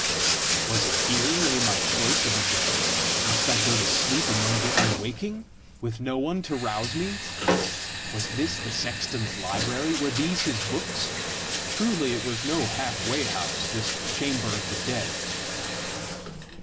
Was it here lay my choice of a bed? Must I go to sleep among the unwaking, with no one to rouse me? Was this the sexton's library? were these his books? Truly it was no half way house, this chamber of the dead!